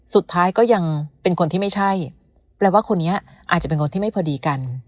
ก็ยังเป็นคนที่ไม่ใช่แปลว่าคนนี้อาจจะเป็นคนที่ไม่พอดีกัน